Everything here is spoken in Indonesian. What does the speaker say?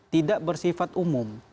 tidak bersifat umum